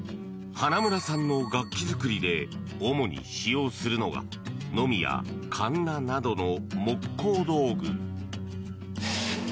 花村さんの楽器作りで主に使用するのがのみや、かんななどの木工道具。